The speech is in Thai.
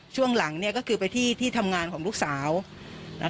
ช่วงหลังเนี่ยก็คือไปที่ที่ทำงานของลูกสาว